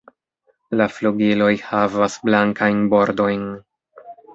La flugiloj havas blankajn bordojn.